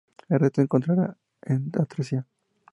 El resto entrará en atresia.